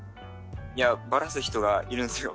いやバラす人がいるんすよ。